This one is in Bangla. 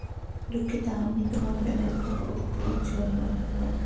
দুঃখিত, আমি তোমার প্রেমে পড়েছি জন্য।